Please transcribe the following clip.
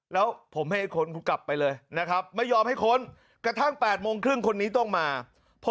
และหลังจากนั้นเสียงเครืองบินดังมาก